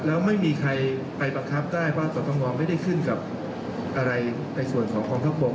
แล้วไม่มีใครไปบังคับได้ว่าสตงไม่ได้ขึ้นกับอะไรในส่วนของกองทัพบก